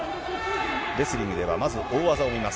レスリングでは、まず大技を見ます。